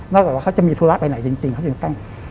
นอกจากว่าเขาจะมีธุระไปไหนจริงเขาจะตั้ง